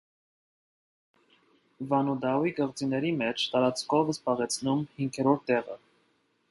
Վանուտաուի կղզիների մեջ տարածքով զբաղեցնում հինգերորդ տեղը։